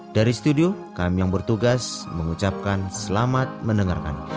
dari studio kami yang bertugas mengucapkan selamat mendengarkan